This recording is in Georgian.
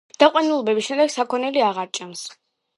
დაყვავილების შემდეგ საქონელი აღარ ჭამს.